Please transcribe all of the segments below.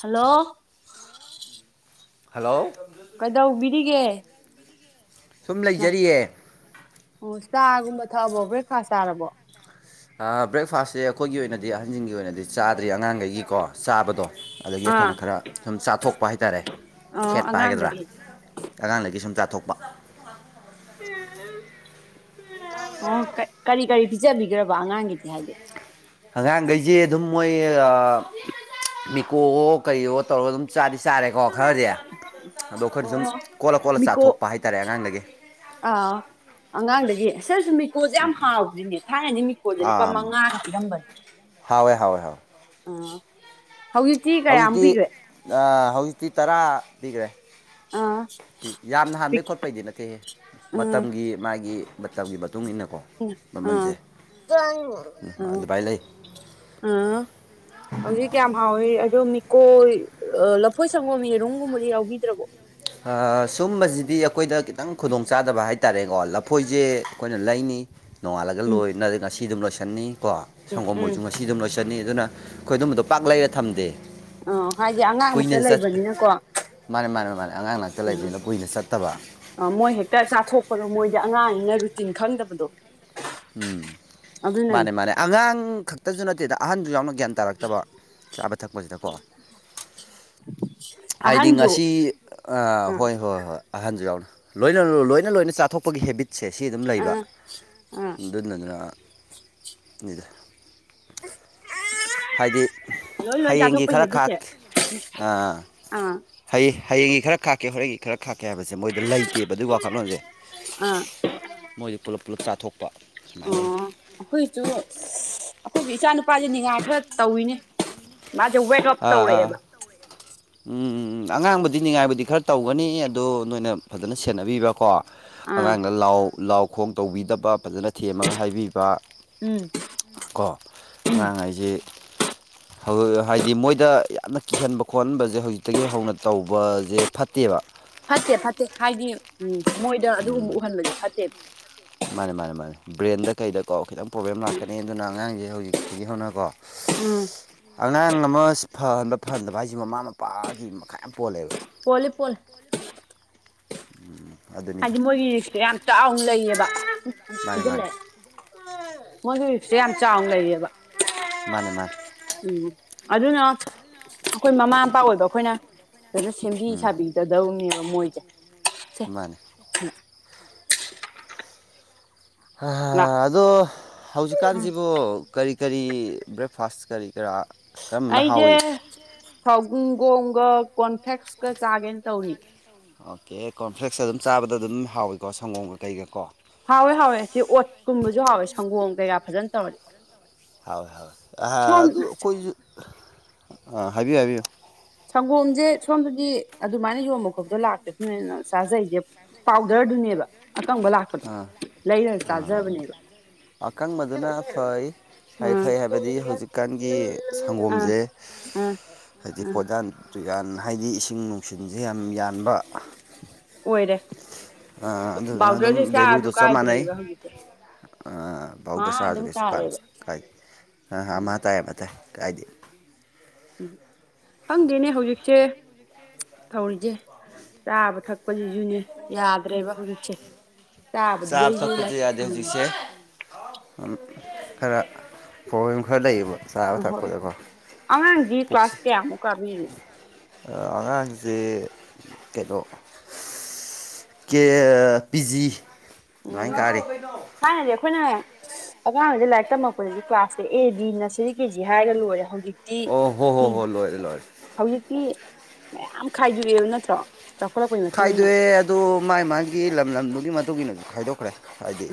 hello hello ꯀꯩꯗꯧꯕꯤꯔꯤꯒꯦ ꯁꯨꯝ ꯂꯩꯖꯔꯤꯌꯦ ꯑꯣ ꯆꯥꯒꯨꯝꯕ ꯊꯛꯑꯕꯣ ꯕ꯭ꯔꯦꯛꯐꯥꯁ ꯆꯥꯔꯕꯣ ꯕ꯭ꯔꯦꯛꯐꯥꯁꯁꯦ ꯑꯩꯈꯣꯏꯒꯤ ꯑꯣꯏꯅꯗꯤ ꯑꯍꯟꯁꯤꯡꯒꯤ ꯑꯣꯏꯅꯗꯤ ꯆꯥꯗ꯭ꯔꯤ ꯑꯉꯥꯡꯈꯩꯒꯤꯀꯣ ꯆꯥꯕꯗꯣ ꯑꯗꯒꯤ ꯑꯩꯈꯣꯏꯅ ꯈꯔ ꯁꯨꯝ ꯆꯥꯊꯣꯛꯄ ꯍꯥꯏꯇꯥꯔꯦ ꯈꯦꯠꯄ ꯍꯥꯏꯒꯗ꯭ꯔꯥ ꯑꯉꯥꯡꯗꯒꯤ ꯁꯨꯝ ꯆꯥꯊꯣꯛꯄ ꯑꯣ ꯀꯔꯤ ꯀꯔꯤ ꯄꯤꯖꯕꯤꯈ꯭ꯔꯕ ꯑꯉꯥꯡꯒꯤꯗꯤ ꯍꯥꯏꯗꯤ ꯑꯉꯥꯡꯈꯩꯁꯦ ꯑꯗꯨꯝ ꯃꯣꯏ ꯃꯤꯀꯣ ꯑꯣ ꯀꯔꯤꯔꯣ ꯇꯧꯔꯒ ꯑꯗꯨꯝ ꯆꯥꯗꯤ ꯆꯥꯔꯦꯀꯣ ꯈꯔꯗꯤ ꯑꯗꯣ ꯑꯩꯈꯣꯏꯅ ꯁꯨꯝ ꯀꯣꯜꯂ ꯀꯣꯜꯂ ꯆꯥꯊꯣꯛꯄ ꯍꯥꯏꯇꯥꯔꯦ ꯑꯉꯥꯡꯗꯒꯤ ꯑ ꯑꯉꯥꯡꯗꯒꯤ [unintelligible] ꯃꯤꯀꯣꯜꯁꯦ ꯌꯥꯝ ꯍꯥꯎꯈꯤꯕꯅꯦ ꯊꯥꯏꯅꯒꯤ ꯃꯤꯀꯣꯜꯁꯦ ꯂꯨꯄꯥ ꯃꯉꯥꯒ ꯄꯤꯔꯝꯕꯅꯦ ꯑꯥ ꯍꯧꯖꯤꯛꯇꯤ ꯍꯧꯖꯤꯛꯇꯤ ꯇꯔꯥ ꯇꯔꯥ ꯄꯤꯈ꯭ꯔꯦ ꯌꯥꯝꯅ ꯍꯥꯟꯕꯩ ꯈꯣꯠꯄꯩꯗꯤ ꯅꯠꯇꯦꯍꯦ ꯃꯇꯝꯒꯤ ꯃꯥꯒꯤ ꯃꯇꯝꯒꯤ ꯃꯇꯨꯡ ꯏꯟꯅꯀꯣ ꯑꯥ ꯑ ꯑ [unintelligible] ꯍꯧꯖꯤꯛ ꯀꯌꯥꯝ ꯍꯥꯎꯋꯤ ꯑꯗꯣ ꯃꯤꯀꯣ ꯂꯐꯣꯏ ꯁꯪꯒꯣꯝ ꯌꯦꯔꯨꯝꯒꯨꯝꯕꯗꯤ ꯌꯥꯎꯕꯤꯗ꯭ꯔꯕꯣ ꯑꯝ ꯁꯨꯝꯕꯁꯤꯗꯤ ꯑꯩꯈꯣꯏꯗ ꯈꯤꯇꯪ ꯈꯨꯗꯣꯡꯆꯥꯗꯕ ꯍꯥꯏ ꯍꯥꯏꯇꯥꯔꯦꯀꯣ ꯂꯐꯣꯏꯁꯦ ꯑꯩꯈꯣꯏꯅ ꯂꯩꯅꯤ ꯅꯣꯡꯉꯥꯜꯂꯒ ꯂꯣꯏ ꯉꯁꯤ ꯑꯗꯨꯝ ꯂꯣꯏꯁꯟꯅꯤ ꯀꯣ ꯁꯪꯒꯣꯝ ꯑꯣꯏꯔꯁꯨ ꯉꯁꯤ ꯑꯗꯨꯝ ꯂꯣꯏꯁꯟꯅꯤ ꯑꯗꯨꯅ ꯑꯩꯈꯣꯏ ꯑꯗꯨꯝꯕꯗꯣ ꯄꯥꯛ ꯂꯩꯔ ꯊꯝꯗꯦ ꯀꯨꯏꯅ ꯆꯠ ꯃꯥꯅꯦ ꯃꯥꯅꯦ ꯃꯥꯅꯦ ꯑꯉꯥꯡ ꯉꯛꯇ ꯂꯩꯕꯅꯤꯅ ꯀꯨꯏꯅ ꯆꯠꯇꯕ ꯑ ꯃꯣꯏ ꯍꯦꯛꯇ ꯆꯥꯊꯣꯛꯄꯗꯣ ꯃꯣꯏꯗꯤ ꯑꯉꯥꯡꯅꯤꯅ ꯔꯨꯇꯤꯟ ꯈꯪꯗꯕꯗꯣ ꯎꯝ ꯃꯥꯅꯦ ꯃꯥꯅꯦ ꯑꯉꯥꯡ ꯈꯛꯇꯁꯨ ꯅꯠꯇꯦꯗ ꯑꯍꯟꯁꯨ ꯌꯥꯎꯅ ꯒ꯭ꯌꯥꯟ ꯇꯥꯔꯛꯇꯕ ꯊꯛꯄꯁꯤꯗꯀꯣ ꯍꯥꯏꯗꯤ ꯉꯁꯤ ꯍꯣꯏ ꯍꯣꯏ ꯍꯣꯏ ꯑꯍꯟꯁꯨ ꯌꯥꯎꯅꯤ ꯂꯣꯏꯅ ꯂꯣꯏꯅ ꯂꯣꯏꯅ ꯆꯥꯊꯣꯛꯄꯒꯤ ꯍꯦꯕꯤꯠ ꯁꯦ ꯁꯤ ꯑꯗꯨꯝ ꯂꯩꯕ ꯑꯗꯨꯗꯨꯅ [unintelligible] ꯍꯥꯏꯗꯤ ꯍꯌꯦꯡꯒꯤ ꯈꯔ ꯈꯥꯛ ꯑꯥ ꯍꯌꯦꯡ ꯍꯌꯦꯡꯒꯤ ꯈꯔ ꯈꯥꯛꯀꯦ ꯍꯣꯔꯦꯟꯒꯤ ꯈꯔ ꯈꯥꯛꯀꯦ ꯍꯥꯏꯕꯁꯦ ꯃꯣꯏꯗ ꯂꯩꯇꯦꯕ ꯑꯗꯨꯒꯤ ꯋꯥꯈꯜꯂꯣꯟꯁꯦ ꯃꯣꯏꯗꯤ ꯄꯨꯂꯞ ꯄꯨꯜꯂꯞ ꯆꯥꯊꯣꯛꯄ ꯁꯨꯃꯥꯏꯅ ꯂꯩ ꯑꯩꯈꯣꯏꯁꯨ ꯑꯩꯈꯣꯏꯒꯤ ꯏꯆꯥ ꯅꯨꯄꯥꯁꯦ ꯅꯤꯉꯥ ꯈꯔ ꯇꯧꯋꯅꯦ ꯃꯥꯁꯦ ꯋꯦꯀꯞ ꯇꯧꯔꯛꯑꯦꯕ ꯎꯝꯝꯝ ꯑꯉꯥꯡꯕꯨꯗꯤ ꯅꯤꯡꯉꯥꯏꯕꯗꯤ ꯈꯔ ꯇꯧꯒꯅꯤ ꯑꯗꯣ ꯅꯣꯏꯅ ꯐꯖꯅ ꯁꯦꯟꯅꯕꯤꯕ꯭ꯔꯥꯀꯣ ꯑꯉꯥꯡꯗ ꯂꯥꯎ ꯂꯥꯎ ꯈꯣꯡ ꯇꯧꯕꯤꯗꯕ ꯐꯖꯅ ꯊꯦꯝꯃꯒ ꯍꯥꯏꯕꯤꯕ ꯎꯝ ꯀꯣ ꯑꯉꯥꯡ ꯑꯩꯁꯤ ꯍꯥꯏꯗꯤ ꯃꯣꯏꯗ ꯌꯥꯝꯅ ꯀꯤꯍꯟꯕ ꯈꯣ ꯍꯟꯕꯁꯦ ꯍꯧꯖꯤꯛꯇꯒꯤ ꯍꯧꯅ ꯇꯧꯕꯁꯦ ꯐꯠꯇꯦꯕ [unintelligible] ꯐꯠꯇꯦ ꯐꯠꯇꯦ ꯍꯥꯏꯗꯤ ꯎꯝ ꯃꯣꯏꯗ ꯑꯗꯨꯒꯨꯝꯕ ꯎꯍꯟꯕꯁꯦ ꯐꯠꯇꯦꯕ ꯃꯥꯅꯦ ꯃꯥꯅꯦ ꯃꯥꯅꯦ ꯕ꯭ꯔꯦꯟꯗ ꯀꯩꯗ ꯈꯤꯇꯪ ꯄ꯭ꯔꯣꯕ꯭ꯂꯦꯝ ꯂꯥꯛꯀꯅꯤ ꯑꯗꯨꯅ ꯑꯉꯥꯡꯁꯦ ꯍꯧꯖꯤꯛ ꯑꯗꯨꯗꯒꯤ ꯍꯧꯅꯀꯣ [unintelligible] ꯎꯝ ꯑꯉꯥꯡ ꯑꯃ ꯐꯍꯟꯕ ꯐꯍꯟꯗꯕ ꯍꯥꯏꯁꯤ ꯃꯃꯥ ꯃꯄꯥꯒꯤ ꯃꯈꯥ ꯌꯥꯝ ꯄꯣꯜꯂꯦꯕ ꯄꯣꯜꯂꯤꯄꯣꯜ ꯍꯥꯏꯗꯤ ꯃꯣꯏꯒꯤꯁꯦ ꯌꯥꯝ ꯆꯥꯎꯅ ꯂꯩꯌꯦꯕ ꯑꯗꯨ ꯃꯣꯏꯒꯤꯁꯦ ꯌꯥꯝ ꯆꯥꯎꯅ ꯂꯩꯌꯦꯕ ꯃꯥꯅꯦ ꯃꯥꯅꯦ ꯎꯝ ꯑꯗꯨꯅ ꯑꯩꯈꯣꯏ ꯃꯃꯥ ꯃꯄꯥ ꯑꯣꯏꯕ ꯑꯩꯈꯣꯏꯅ ꯐꯖꯅ ꯁꯦꯝꯕꯤ ꯁꯥꯕꯤꯒꯗꯧꯅꯦꯕ ꯃꯣꯏꯁꯦ ꯃꯥꯅꯦ ꯎꯝ ꯍꯥꯍꯥ ꯑꯗꯣ ꯍꯧꯖꯤꯛꯀꯥꯟꯁꯤꯕꯨ ꯀꯔꯤ ꯀꯔꯤ ꯕ꯭ꯔꯦꯛꯐꯥꯁ ꯀꯔꯤ ꯀꯔꯥ ꯑꯩꯁꯦ ꯁꯥꯎꯒꯣꯝꯒ ꯀꯣꯟꯐꯦꯛꯁꯀ ꯆꯥꯒꯦꯅ ꯇꯧꯔꯤ ꯑꯣꯀꯦ ꯀꯣꯔꯟꯐ꯭ꯂꯦꯛꯁ ꯑꯗꯨꯝ ꯆꯥꯕꯗ ꯑꯗꯨꯝ ꯍꯥꯎꯏꯀꯣ ꯁꯪꯒꯣꯝꯒ ꯀꯩꯒꯀꯣ ꯍꯥꯎꯋꯦ ꯍꯥꯎꯋꯦ ꯁꯤ ꯑꯣꯠꯀꯨꯝꯕꯁꯨ ꯍꯥꯎꯋꯦ ꯁꯪꯒꯣꯝ ꯀꯩꯀꯥ ꯐꯖꯅ ꯇꯧꯔꯗꯤ ꯍꯋꯣꯏ ꯍꯣꯏ ꯑꯗꯨ ꯑꯩꯈꯣꯏꯁꯨ ꯑꯥ ꯍꯥꯏꯕꯤꯌꯨ ꯍꯥꯏꯕꯤꯌꯨ ꯁꯪꯒꯣꯝꯁꯦ ꯁꯣꯝꯗꯗꯤ ꯑꯗꯨꯃꯥꯏꯅ ꯌꯣꯟꯕ ꯈꯣꯠꯄꯗꯣ ꯂꯥꯛꯇ [unintelligible] ꯕꯅꯤꯅ ꯁꯥꯥꯖꯩꯁꯦ ꯄꯥꯎꯗꯔꯗꯨꯅꯦꯕ ꯑꯀꯪꯕ ꯂꯥꯛꯄꯗꯣ ꯂꯩꯔꯒ ꯆꯥꯖꯕꯅꯦꯕ ꯑꯀꯪꯕꯗꯨꯅ ꯐꯩ ꯐꯩ ꯐꯩ ꯍꯥꯏꯕꯗꯤ ꯍꯧꯖꯤꯛꯀꯥꯟꯒꯤ ꯁꯪꯒꯣꯝꯁꯦ ꯍꯥꯏꯗꯤ ꯄꯣꯗꯥꯥꯟ ꯌꯥꯟ ꯍꯥꯏꯗꯤ ꯏꯁꯤꯡ ꯅꯨꯡꯁꯤꯠꯁꯦ ꯌꯥꯝ ꯌꯥꯟꯕ ꯑꯣꯏꯔꯦ ꯕꯥꯎꯟꯗꯔꯤꯗꯤ ꯀꯌꯥꯁꯨ ꯀꯥꯏꯗ꯭ꯔꯦꯕ ꯍꯧꯖꯤꯛꯁꯦ ꯥꯎꯗ ꯆꯥꯔꯁꯨ ꯀꯩꯁꯨ ꯀꯥꯟꯅ ꯀꯥꯏꯗꯦ ꯑ ꯑꯃ ꯇꯥꯏ ꯑꯃ ꯇꯥꯏ ꯀꯥꯏꯗꯦ ꯎꯝ ꯈꯪꯗꯦꯅꯦ ꯍꯧꯖꯤꯛꯁꯦ ꯊꯧꯔꯤꯁꯦ ꯆꯥꯕ ꯊꯛꯄꯅꯤꯁꯨꯅꯦ ꯌꯥꯗ꯭ꯔꯦꯕ ꯍꯧꯖꯤꯛꯁꯦ ꯁꯥꯐ ꯁꯇꯁꯨ ꯌꯥꯗ ꯍꯧꯖꯤꯁ [unintelligible] ꯈꯔ ꯄ꯭ꯔꯣꯕ꯭ꯂꯦꯝ ꯈꯔ ꯂꯩꯌꯦꯕ ꯆꯥꯕ ꯊꯛꯄꯗꯀꯣ ꯑꯉꯥꯡꯗꯤ ꯀ꯭ꯂꯥꯁ ꯀꯌꯃꯨꯛ ꯀꯥꯕꯤꯔꯤ ꯑꯉꯥꯡꯁꯦ ꯀꯩꯅꯣ ꯀꯦ ꯄꯤꯖꯤ ꯑꯗꯨꯃꯥꯏ ꯀꯔꯤ ꯊꯥꯏꯅꯗꯤ‌ ꯑꯩꯈꯣꯏꯅ ꯑꯉꯥꯡꯈꯩꯗ ꯂꯥꯏꯔꯤꯛ ꯇꯝꯃꯛꯄꯗꯗꯤ ꯀ꯭ꯂꯥꯁꯇ ꯑꯦ ꯗꯤ ꯅꯁꯔꯤ ꯀꯦ ꯖꯤ ꯍꯥꯏꯔꯒ ꯂꯣꯏꯔꯦ ꯍꯧꯖꯤꯛꯇꯤ ꯍꯧꯖꯤꯛꯇꯤ ꯃꯌꯥꯝ ꯈꯥꯏꯗꯣꯛꯑꯦꯕ ꯅꯠꯇ꯭ꯔꯣ ꯈꯥꯏꯗꯣꯛꯑꯦ ꯑꯗꯣ ꯃꯥꯏ ꯃꯥꯒꯤ ꯂꯝ ꯂꯝꯗꯨꯒꯤ ꯃꯇꯨꯡꯏꯟꯅ ꯈꯥꯏꯗꯣꯛꯈ꯭ꯔꯦ ꯍꯥꯏꯗꯤ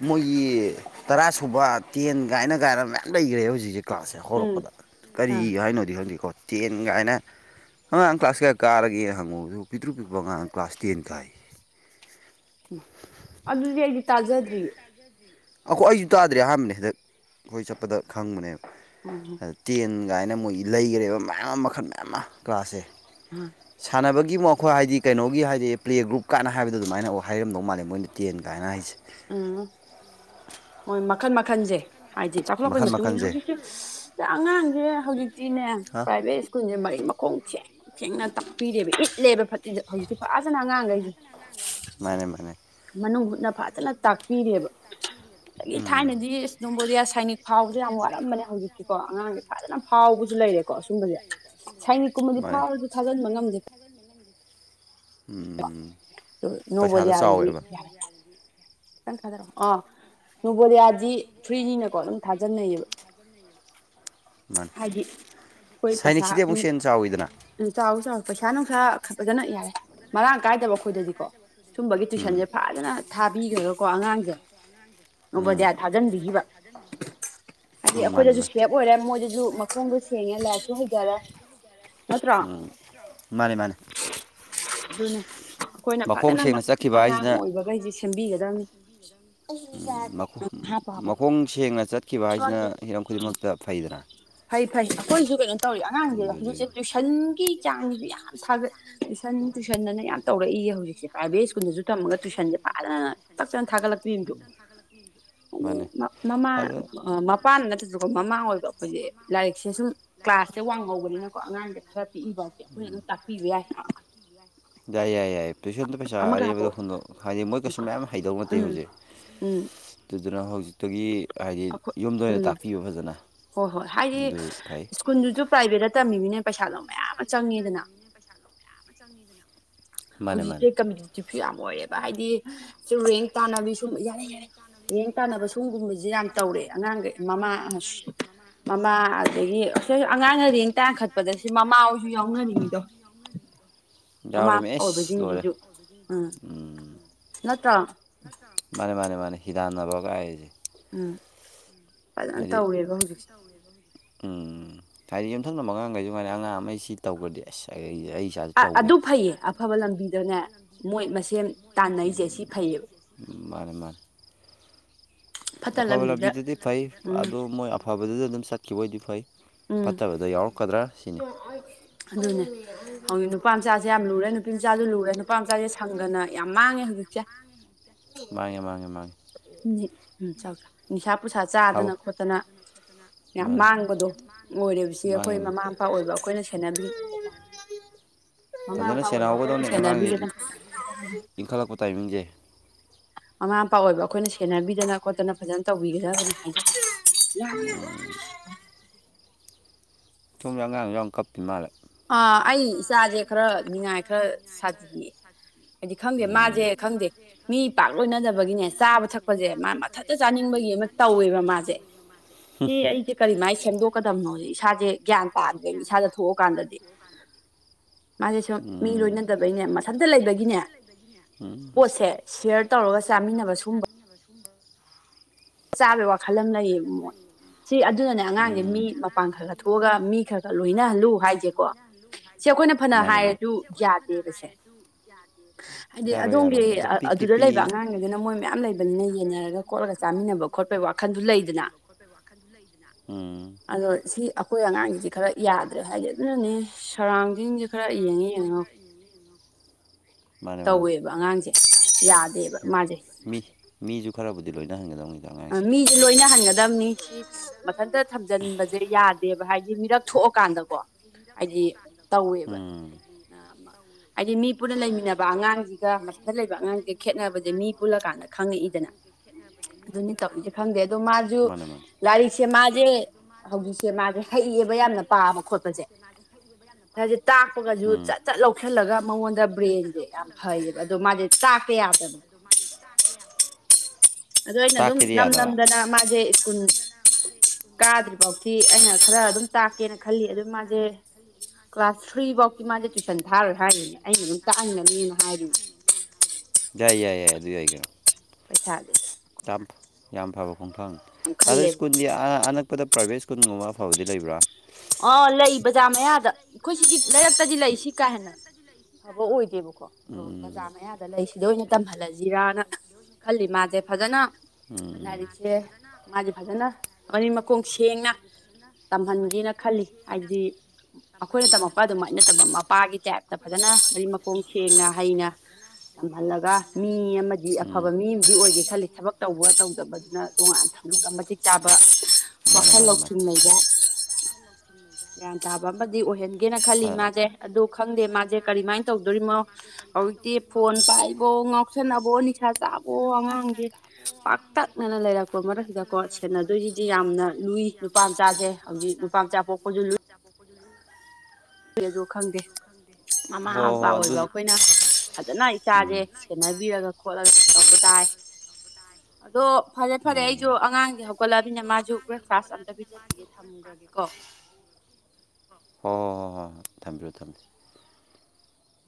ꯃꯣꯏꯒꯤ ꯇꯔꯥ ꯁꯨꯕ ꯇꯦꯟ ꯀꯥꯏꯅ ꯀꯥꯏꯅ ꯃꯌꯥꯝ ꯂꯩꯈ꯭ꯔꯦ ꯍꯧꯖꯤꯛꯁꯛ ꯀꯥꯁꯦ ꯍꯧꯔꯛꯄꯗ ꯀꯔꯤ ꯍꯥꯏꯅꯣꯗꯤ ꯈꯪꯗꯀꯣ ꯇꯦꯟ ꯀꯥꯏꯅ ꯑꯉꯥꯡ ꯀ꯭ꯂꯥꯁ ꯀꯌꯥ ꯀꯥꯔꯒꯦ ꯍꯪꯉꯨꯕꯕꯨ ꯄꯤꯛꯇ꯭ꯔꯨ ꯄꯤꯛꯄ ꯑꯉꯥꯡ ꯀ꯭ꯂꯥꯁ ꯇꯦꯟ ꯀꯥꯏ ꯑꯗꯨꯗꯤ ꯑꯩꯗꯤ ꯇꯥꯖꯗ꯭ꯔꯤ ꯑꯩꯈꯣꯏ ꯑꯩꯁꯨ ꯇꯥꯗ꯭ꯔꯦ ꯑꯍꯥꯟꯕꯅꯦ ꯍꯦꯗꯛ ꯑꯩꯈꯣꯏ ꯆꯠꯄꯗ ꯈꯪꯕꯅꯦꯕ ꯇꯦꯟ ꯀꯥꯏꯅ ꯃꯣꯏꯒꯤ ꯂꯩꯈ꯭ꯔꯦꯕ ꯃꯌꯥꯝ ꯑꯃ ꯃꯈꯜ ꯃꯌꯥꯝ ꯑꯃ ꯀ꯭ꯂꯥꯁꯁꯦ ꯎꯝ ꯁꯥꯟꯅꯕꯒꯤ ꯃꯈꯣꯏ ꯍꯥꯏꯗꯤ ꯀꯩꯅꯣꯒꯤ ꯍꯥꯏꯗꯤ ꯄ꯭ꯂꯦ ꯒ꯭ꯔꯨꯞ ꯀꯥꯏꯅ ꯍꯥꯏꯕꯗꯣ ꯑꯗꯨꯃꯥꯏꯅ ꯍꯥꯏꯔꯝꯗꯧ ꯃꯥꯜꯂꯦ ꯃꯣꯏꯅ ꯇꯦꯟ ꯀꯥꯏꯅ ꯍꯥꯏꯖꯦ ꯎꯝ ꯍꯣꯏ ꯃꯈꯟ ꯃꯈꯟꯁꯦ ꯍꯥꯏꯗꯤ ꯆꯥꯎꯈꯠꯂꯛꯄꯩ ꯃꯇꯨꯡ ꯏꯟꯅ ꯍꯧꯖꯤꯛꯁꯦ ꯑꯉꯥꯡꯁꯦ ꯍꯧꯖꯤꯛꯇꯤꯅꯦ ꯄ꯭ꯔꯥꯏꯚꯦꯠ ꯁ꯭ꯀꯨꯜꯁꯦ ꯃꯔꯤꯛ ꯃꯈꯣꯡ ꯁꯦꯡ- ꯁꯦꯡꯅ ꯇꯥꯛꯄꯤꯔꯦꯕ ꯏꯠꯂꯦꯕ ꯐꯖ-ꯍꯧꯖꯤꯛꯇꯤ ꯐꯖꯥꯅ ꯑꯉꯥꯡꯈꯩꯁꯦ ꯃꯥꯅꯦ ꯃꯥꯅꯦ ꯃꯅꯨꯡ ꯍꯨꯠꯅ ꯐꯖꯅ ꯇꯥꯛꯄꯤꯔꯦꯕ ꯑꯗꯒꯤ ꯊꯥꯏꯅꯗꯤ ꯏꯁ ꯅꯣꯕꯣꯗꯤꯌꯥ ꯁꯥꯏꯅꯤꯛ ꯐꯥꯎꯕꯁꯦ ꯌꯥꯝ ꯋꯥꯔꯝꯕꯅꯦ ꯍꯧꯖꯤꯛꯇꯤꯀꯣ ꯑꯉꯥꯡꯁꯦ ꯐꯖꯅ ꯐꯥꯎꯕꯁꯨ ꯂꯩꯔꯦꯀꯣ ꯁꯨꯝꯕꯁꯦ ꯁꯥꯏꯅꯤꯛ ꯀꯨꯝꯕꯗꯤ ꯐꯥꯎꯔꯁꯨ ꯊꯥꯖꯤꯟꯕ ꯉꯝꯗꯦ ꯅꯣꯕꯣꯗꯤꯔꯥꯗꯗꯤ ꯌꯥꯏ ꯈꯤꯇꯪ ꯊꯥꯗꯔꯛꯑꯣ ꯑꯥ ꯅꯣꯕꯣꯗꯤꯌꯥꯗꯤ ꯐ꯭ꯔꯤꯅꯤꯅꯀꯣ ꯑꯗꯨꯝ ꯊꯥꯖꯟꯅꯩꯑꯥꯕ ꯍꯥꯏꯗꯤ ꯍꯣꯏ ꯄꯩꯁꯥꯅꯨꯡ ꯎꯝ ꯆꯥꯎꯏ- ꯆꯥꯎꯏ ꯄꯩꯁꯥ ꯅꯨꯡꯁꯥ ꯐꯖꯅ ꯌꯥꯔꯦ ꯃꯔꯥꯡ ꯀꯥꯏꯗꯕ ꯑꯩꯈꯣꯏꯗꯗꯤꯀꯣ ꯁꯨꯝꯕꯒꯤ ꯇꯨꯏꯁꯟꯁꯦ ꯐꯖꯅ ꯊꯥꯕꯤꯈꯔꯀꯣ ꯑꯉꯥꯡꯁꯦ ꯅꯣꯕꯣꯗꯤꯌꯥ ꯊꯥꯖꯤꯟꯕꯤꯈꯤꯕ ꯍꯥꯏꯗꯤ ꯑꯩꯈꯣꯏꯗꯁꯨ ꯁꯦꯕ ꯑꯣꯏꯔꯦ ꯃꯣꯏꯗꯁꯨ ꯃꯈꯣꯡꯗꯣ ꯁꯦꯡꯉꯦ ꯂꯥꯏꯔꯤꯛꯁꯨ ꯍꯩꯖꯔꯦ ꯎꯝ ꯃꯥꯅꯦ ꯃꯥꯅꯦ ꯑꯗꯨꯅꯦ ꯑꯩꯈꯣꯏꯅ ꯐꯖꯅ ꯑꯉꯥꯡ ꯑꯣꯏꯕꯈꯩꯁꯦ ꯁꯦꯝꯕꯤꯒꯗꯕꯅꯤ ꯃꯈꯣꯡ ꯁꯦꯡꯅ ꯆꯠꯈꯤꯕ ꯍꯥꯏꯁꯤꯅ ꯍꯤꯔꯝ ꯈꯨꯗꯤꯡꯃꯛꯇ ꯐꯩꯗꯅꯥ ꯐꯩ ꯐꯩ ꯑꯩꯈꯣꯏꯁꯨ ꯀꯩꯅꯣ ꯇꯧꯔꯤ ꯑꯉꯥꯡꯁꯦ ꯍꯧꯖꯤꯛꯁꯦ ꯇꯨꯏꯁꯟꯒꯤ ꯆꯥꯡꯁꯤꯁꯨ ꯌꯥꯝ ꯊꯥꯒꯠ ꯇꯨꯏꯁꯟ ꯇꯨꯏꯁꯟꯑꯅ ꯌꯥꯝ ꯇꯧꯔꯛꯏꯌꯦ ꯍꯧꯖꯤꯛꯁꯦ ꯄ꯭ꯔꯥꯏꯚꯦꯠ ꯁ꯭ꯀꯨꯜꯗꯁꯨ ꯇꯝꯃꯒ ꯇꯨꯏꯁꯟꯁꯦ ꯐꯖꯅ ꯇꯛꯇꯅ ꯊꯥꯒꯠꯂꯛ ꯑꯗꯣ ꯃꯃꯥ ꯃꯄꯥꯅ ꯅꯠꯇ꯭ꯔꯁꯨꯀꯣ ꯃꯃꯥ ꯑꯣꯏꯕ ꯑꯩꯈꯣꯏꯁꯦ ꯂꯥꯏꯔꯤꯛꯁꯦ ꯁꯨꯝ ꯀ꯭ꯂꯥꯁꯁꯦ ꯋꯥꯡ ꯉꯧꯕꯅꯤꯅꯀꯣ ꯑꯉꯥꯡꯁꯦ ꯈꯔ ꯄꯤꯛꯏꯕꯐꯥꯎꯗꯤ ꯑꯩꯈꯣꯏꯅ ꯑꯗꯨꯝ ꯇꯥꯛꯄꯤꯕ ꯌꯥꯏꯅ ꯌꯥꯏ ꯌꯥꯏ ꯌꯥꯏ ꯌꯥꯏ ꯇꯨꯏꯁꯟꯗ ꯄꯩꯁꯥ ꯑꯔꯦꯝꯕꯗ ꯍꯨꯟꯗꯣꯛ ꯍꯥꯏꯗꯤꯦ ꯃꯣꯏ ꯀꯩꯁꯨ ꯃꯌꯥꯝ ꯍꯩꯗꯧ ꯅꯠꯇꯦ ꯍꯧꯖꯤꯛ ꯑꯗꯨꯗꯨꯅ ꯍꯧꯖꯤꯛꯇꯒꯤ ꯍꯥꯏꯗꯤ ꯌꯨꯝꯗ ꯑꯣꯏꯅ ꯇꯥꯛꯄꯤꯕ ꯐꯖꯅ ꯍꯣꯏ ꯍꯣꯏ ꯍꯥꯏꯗꯤ ꯁ꯭ꯀꯨꯜꯗꯨꯁꯨ ꯄ꯭ꯔꯥꯏꯚꯦꯠꯇ ꯇꯝꯃꯤꯃꯤꯅ ꯄꯩꯁꯥꯗꯣ ꯃꯌꯥꯝ ꯑꯃ ꯆꯪꯉꯦꯗꯅ [unintelligible] ꯍꯧꯖꯤꯛꯇꯤ ꯀꯝꯄꯤꯇꯤꯇꯤꯞꯁꯨ ꯌꯥꯝ ꯑꯣꯏꯔꯦꯕ ꯍꯥꯏꯗꯤ ꯁꯨꯝ ꯔꯦꯡ ꯇꯥꯅꯕꯤ ꯁꯨꯝ ꯌꯥꯔꯦ ꯌꯥꯔꯦ ꯔꯦꯡ ꯇꯥꯟꯅꯕ ꯁꯨꯒꯨꯝꯕꯁꯦ ꯌꯥꯝ ꯇꯧꯔꯦ ꯑꯉꯥꯡꯈꯩ ꯃꯃꯥ ꯃꯃꯥ ꯑꯗꯒꯤ ꯁꯦ ꯑꯉꯥꯡꯄ ꯔꯦꯡꯀ ꯇꯥꯡꯈꯠꯄꯗ ꯁꯤ ꯃꯃꯥ ꯍꯣꯏꯣꯁꯨ ꯌꯥꯎꯅꯔꯤꯅꯤꯗꯣ ꯃꯃꯥ ꯑꯣꯏꯕꯁꯤꯡꯁꯤꯁꯨ ꯎꯝ ꯅꯠꯇ꯭ꯔꯣ ꯅꯠꯇ꯭ꯔꯣ ꯃꯥꯅꯦ ꯃꯥꯅꯦ ꯃꯥꯅꯦ ꯍꯤꯗꯥꯥꯟꯅꯕꯒꯥꯏꯁꯦ ꯎꯝ ꯍꯥꯏꯗꯤ ꯎꯝ ꯍꯥꯏꯗꯤ ꯌꯨꯝꯊꯪꯅꯕ ꯑꯉꯥꯡꯈꯩꯁꯨ ꯉꯥꯏꯔꯦ ꯑꯉꯥꯡ ꯑꯃꯒꯤ ꯁꯤ ꯇꯧꯈ꯭ꯔꯗꯤ ꯑꯁ ꯑꯩ ꯑ ꯑꯗꯨ ꯐꯩꯌꯦ ꯑꯐꯕ ꯂꯝꯕꯤꯗꯅꯦ ꯃꯣꯏ ꯃꯁꯦꯝ ꯇꯥꯟꯅꯩꯁꯦ ꯁꯤ ꯐꯩꯌꯦꯕ ꯎꯝ ꯃꯥꯅꯦ-ꯃꯥꯅꯦ ꯑꯐꯕ ꯂꯝꯕꯤꯗꯨꯗꯤ ꯐꯩ ꯑꯗꯣ ꯃꯣꯏ ꯑꯐꯕꯗꯨꯗ ꯑꯗꯨꯝ ꯆꯠꯈꯤꯕ ꯑꯣꯏꯗꯤ ꯐꯩ ꯐꯠꯇꯕꯗ ꯌꯥꯎꯔꯛꯀꯗ꯭ꯔꯥ ꯁꯤꯅꯤ ꯑꯗꯨꯅꯦ ꯍꯧꯖꯤꯛ ꯅꯨꯄꯥꯃꯆꯥꯁꯦ ꯌꯥꯝ ꯂꯨꯔꯦ ꯅꯨꯄꯤꯃꯆꯥꯁꯨ ꯂꯨꯔꯦ ꯅꯨꯄꯥ ꯃꯆꯥꯁꯦ ꯁꯪꯒꯅ ꯌꯥꯝ ꯃꯥꯡꯉꯦ ꯍꯧꯖꯤꯛꯁꯦ ꯃꯥꯡꯉꯦ ꯃꯥꯡꯉꯦ ꯃꯥꯡꯉꯦ ꯎꯝ ꯆꯥꯎ-ꯆꯥꯎ ꯅꯤꯁꯥ ꯄꯨꯁꯥ ꯆꯥꯗꯅ ꯈꯣꯠꯇꯅ ꯌꯥꯝ ꯃꯥꯡꯕꯗꯣ ꯑꯣꯏꯔꯦꯕꯁꯦ ꯑꯩꯈꯣꯏ ꯃꯃꯥ ꯃꯄꯥ ꯑꯣꯏꯕ ꯑꯩꯈꯣꯏꯅ ꯁꯦꯟꯅꯕꯤꯗꯅ ꯐꯖꯅ ꯁꯦꯟꯅꯍꯧꯒꯗꯧꯅꯦ ꯑꯉꯥꯡꯁꯦ ꯏꯟꯈꯠꯂꯛꯄ ꯇꯥꯏꯃꯤꯡꯁꯦ ꯃꯃꯥ ꯃꯄꯥ ꯑꯣꯏꯕ ꯑꯩꯈꯣꯏꯅ ꯁꯦꯟꯅꯕꯤꯗꯅ ꯈꯣꯠꯇꯅ ꯐꯖꯅ ꯇꯧꯕꯤꯒꯗꯕꯅꯤ ꯍꯥꯏꯖꯦ ꯎꯝ ꯁꯣꯝꯁꯦ ꯑꯉꯥꯡꯁꯨ ꯌꯥꯝ ꯀꯥꯞꯄꯤꯃꯥꯜꯂꯦ ꯑꯥ ꯑꯩ ꯏꯆꯥꯖꯦ ꯈꯔ ꯅꯤꯡꯉꯥꯏ ꯈꯔ ꯁꯥꯊꯤ ꯍꯥꯏꯗꯤ ꯈꯪꯗꯦ ꯃꯥꯁꯦ ꯈꯪꯗꯦ ꯃꯤ ꯄꯥꯛ ꯂꯣꯏꯅꯗꯕꯒꯤꯅꯦ ꯆꯥꯕ ꯊꯛꯄꯁꯦ ꯃꯥ ꯃꯊꯟꯇ ꯆꯥꯅꯤꯡꯕꯒꯤ ꯑꯃ ꯇꯧꯋꯦꯕ ꯃꯥꯁꯦ ꯁꯤ ꯑꯩꯁꯦ ꯀꯔꯤꯃꯥꯏ ꯁꯦꯝꯗꯣꯛꯀꯗꯕꯅꯣꯖꯦ ꯏꯁꯥꯁꯦ ꯒ꯭ꯌꯥꯟ ꯇꯥꯗ꯭ꯔꯦꯕ ꯏꯁꯥꯗ ꯊꯣꯛꯑꯀꯥꯟꯗꯗꯤ ꯃꯥꯁꯦ ꯁꯨꯝ ꯃꯤ ꯂꯣꯏꯅꯗꯕꯩꯅꯦ ꯃꯊꯟꯇ ꯂꯩꯕꯒꯤꯅꯦ ꯄꯣꯠꯁꯦ ꯁꯤꯌꯥꯔ ꯇꯧꯔꯒ ꯆꯥꯃꯤꯟꯅꯕ ꯁꯒꯨꯝꯕ [inaudible] ꯆꯥꯕꯩ ꯋꯥꯈꯜ ꯑꯃ ꯂꯩꯌꯦꯕ ꯃꯣꯏ ꯁꯤ ꯑꯗꯨꯅꯅꯦ ꯑꯉꯥꯡꯁꯦ ꯃꯤ ꯃꯄꯥꯟ ꯈꯔꯒ ꯊꯣꯛꯑꯒ ꯃꯤ ꯈꯛ [unintelligible] ꯑꯩꯈꯣꯏꯅ ꯐꯅ ꯍꯥꯏꯔꯗꯨ ꯌꯥꯗꯦꯕꯁꯦ ꯍꯥꯏꯗꯤ ꯑꯗꯣꯝꯒꯤ ꯑꯗꯨꯗ ꯂꯩꯕ ꯑꯉꯥꯡꯈꯩꯗꯨꯅ ꯃꯣꯏ ꯃꯌꯥꯝ ꯂꯩꯕꯅꯤꯅ ꯌꯦꯟꯅꯔꯒ ꯈꯣꯠꯂꯒ ꯆꯥ ꯃꯤ ꯌꯦꯟꯅꯔꯒ ꯈꯣꯠꯂꯒ ꯆꯥꯃꯤꯟꯅꯕ ꯈꯣꯠꯄꯒꯤ ꯋꯥꯈꯜꯁꯨ ꯂꯩꯗꯅ ꯑꯗꯣ ꯁꯤ ꯑꯩꯈꯣꯏ ꯑꯉꯥꯡꯒꯤꯁꯤ ꯈꯔ ꯌꯥꯗ꯭ꯔꯦ ꯍꯥꯏꯗꯤ ꯑꯗꯨꯅꯅꯤ ꯁꯔꯥꯎꯟꯗꯤꯡꯁꯦ [unintelligible] ꯇꯧꯋꯦꯕ ꯑꯉꯥꯡꯁꯦ ꯌꯥꯗꯦꯕ ꯃꯥꯁꯦ ꯃꯤ ꯃꯤꯁꯨꯨ ꯈꯔꯕꯨꯗꯤ ꯂꯣꯏꯅ ꯍꯪꯒꯗꯧꯅꯤ ꯃꯤꯖꯦ ꯂꯣꯏꯅ ꯍꯟꯒꯗꯝꯅꯤ ꯁꯤ ꯃꯊꯟꯇ ꯊꯝꯖꯟꯕꯁꯦ ꯌꯥꯗꯦꯕ ꯍꯥꯏꯗꯤ ꯍꯥꯏꯗꯤ ꯃꯤꯔꯛ ꯊꯣꯛꯑꯀꯥꯟꯗꯀꯣ ꯎꯝ ꯍꯥꯏꯗꯤ ꯃꯤ ꯄꯨꯟꯅ ꯂꯩꯃꯤꯟꯅꯕ ꯑꯉꯥꯡꯁꯤꯒ ꯃꯊꯟꯗ ꯂꯩꯕ ꯑꯉꯥꯡꯁꯤꯒ ꯈꯦꯠꯅꯕꯁꯦ ꯃꯤ ꯄꯨꯜꯂꯀꯥꯟꯗ ꯈꯪꯉꯛꯏꯗꯅ ꯑꯗꯨꯅꯤ ꯇꯧꯔꯤꯁꯦ ꯈꯪꯗꯦ ꯑꯗꯣ ꯃꯥꯁꯨ ꯂꯥꯏꯔꯤꯛꯁꯦ ꯃꯥꯁꯦ ꯍꯧꯖꯤꯛ ꯃꯥꯁꯦ ꯍꯩꯌꯦꯕ ꯌꯥꯝꯅ ꯄꯥꯕ ꯈꯣꯠꯄꯁꯦ ꯍꯥꯏꯗꯤ ꯇꯥꯛꯄꯒꯁꯨ ꯆꯠ ꯆꯠ ꯂꯧꯁꯤꯜꯂꯒ ꯃꯉꯣꯟꯗ ꯕ꯭ꯔꯦꯟꯁꯦ ꯌꯥꯝ ꯐꯩꯌꯦꯕ ꯑꯗꯣ ꯃꯥꯁꯦ ꯇꯥꯛꯄ ꯌꯥꯗꯕꯅꯦ ꯑꯗꯨ ꯑꯩꯅ ꯑꯗꯨꯝ ꯅꯝ ꯅꯝꯗꯅ ꯃꯥꯁꯦ ꯁ꯭ꯀꯨꯜ ꯀꯥꯗ꯭ꯔꯤ ꯐꯥꯎꯗꯤ ꯑꯩꯅ ꯈꯔ ꯑꯗꯨꯝ ꯑꯩꯅ ꯈꯔ ꯑꯗꯨꯝ ꯇꯥꯛꯀꯦꯅ ꯈꯜꯂꯤ ꯑꯗꯨ ꯃꯥꯁꯦ ꯀ꯭ꯂꯥꯁ ꯊ꯭ꯔꯤ ꯐꯥꯎ ꯍꯥꯏꯔꯤꯅꯦ ꯑꯩꯅ ꯑꯗꯨꯝ ꯇꯥꯛꯅꯤꯡꯉꯅꯦꯅ ꯍꯥꯏꯔꯤꯅꯦ ꯌꯥꯏ ꯌꯥꯏ ꯌꯥꯏ ꯑꯗꯨ ꯌꯥꯏꯒꯣ ꯄꯩꯁꯥꯗꯦ ꯌꯥꯝ ꯌꯥꯝ ꯐꯕ ꯈꯣꯡꯐꯥꯡ ꯑꯗꯣ ꯁ꯭ꯀꯨꯜꯗꯤ ꯑꯅ ꯆꯠꯄꯗ ꯄ꯭ꯔꯥꯏꯕꯠ ꯁ꯭ꯀꯨꯜꯒꯨꯝꯕ ꯑꯐꯕꯗꯤꯕ꯭ꯔꯥ ꯑ ꯂꯩ ꯕꯖꯥꯔ ꯃꯌꯥꯗ ꯑꯩꯈꯣꯏ ꯁꯤꯒꯤ ꯂꯩꯔꯛꯇꯗꯤ ꯂꯩ ꯁꯤ ꯀꯥ ꯍꯦꯟꯅ ꯐꯕ ꯑꯣꯏꯗꯦꯕꯀꯣ ꯑꯣ ꯕꯖꯥꯔ ꯃꯌꯥꯗ ꯂꯩ ꯁꯤꯗ ꯑꯣꯏꯅ ꯇꯝꯍꯜꯂꯁꯤꯔꯅ ꯈꯜꯂꯤ ꯃꯥꯁꯦ ꯐꯖꯅ ꯂꯥꯏꯔꯤꯛꯁꯦ ꯃꯥꯁꯦ ꯐꯖꯅ ꯃꯔꯤ ꯃꯈꯣꯡ ꯁꯦꯡꯅ ꯇꯝꯍꯟꯒꯦꯅ ꯈꯜꯂꯤ ꯍꯥꯏꯗꯤ ꯑꯩꯈꯣꯏꯅ ꯇꯝꯃꯛꯄ ꯑꯗꯨꯃꯥꯏꯅ ꯅꯠꯇꯕ ꯃꯄꯥꯒꯤ ꯇꯥꯏꯞꯇ ꯐꯖꯅ ꯑꯩ ꯃꯈꯣꯡ ꯁꯦꯡꯅ ꯍꯩꯅ ꯇꯝꯍꯜꯂꯒ ꯃꯤ ꯑꯃꯗꯤ ꯑꯐꯕ ꯃꯤ ꯑꯃꯗꯤ ꯑꯣꯏꯒꯦ ꯈꯜꯂꯤ ꯊꯕꯛ ꯇꯧꯕ ꯇꯧꯗꯕꯗꯨꯅ ꯇꯣꯉꯥꯟꯅ ꯊꯪꯉꯒ ꯃꯇꯤꯛ ꯆꯥꯕ ꯋꯥꯈꯜ ꯂꯧꯊꯉꯩꯗ ꯒ꯭ꯌꯥꯟ ꯇꯥꯕ ꯑꯃꯗꯤ ꯑꯣꯏꯍꯟꯒꯦꯅ ꯈꯜꯂꯤ ꯃꯥꯁꯦ ꯑꯗꯨ ꯈꯪꯗꯦ ꯃꯥꯁꯦ ꯀꯔꯤꯃꯥꯏꯅ ꯇꯧꯗꯣꯔꯤꯅꯣ ꯍꯧꯖꯤꯛꯇꯤ ꯐꯣꯟ ꯄꯥꯏꯕꯣ ꯉꯥꯎꯁꯟꯅꯕꯣ ꯅꯤꯁꯥ ꯆꯥꯕꯣ ꯑꯉꯥꯡꯁꯦ ꯄꯥꯛꯇꯛ ꯊꯛꯅꯅ ꯂꯩꯔꯛꯄ ꯃꯔꯛꯁꯤꯗꯀꯣ ꯁꯦꯟꯅꯗꯣꯏꯁꯤꯗꯤ ꯌꯥꯝꯅ ꯂꯨꯏ ꯅꯨꯄꯥ ꯃꯆꯥꯁꯦ ꯍꯧꯖꯤꯛ ꯍꯧꯖꯤ ꯏꯄꯥꯝꯆꯥꯥꯄꯣ ꯑꯩꯁꯨ ꯈꯪꯗꯦ ꯃꯃꯥ ꯃꯄꯥ ꯑꯣꯏꯕ ꯑꯩꯈꯣꯏꯅ ꯐꯖꯅ ꯏꯆꯥꯁꯦ ꯁꯦꯟꯅꯕꯤꯔꯒ ꯈꯣꯠꯂꯒ ꯇꯧꯕ ꯇꯥꯏ ꯑꯗꯣ ꯐꯔꯦ ꯐꯔꯦ ꯑꯩꯁꯨ ꯑꯉꯥꯡꯗꯤ ꯍꯧꯒꯠꯂꯕꯅ ꯃꯥꯁꯨ ꯕ꯭ꯔꯦꯛꯐꯥꯁ ꯑꯝꯇ ꯄꯤꯖꯕꯤꯒꯦ ꯊꯝꯈ꯭ꯔꯒꯦꯀꯣ ꯍꯣꯏ ꯍꯣꯏ ꯍꯣꯏ ꯍꯣꯏ ꯍꯣꯏ ꯊꯝꯕꯤꯔꯣ ꯊꯝꯕꯤ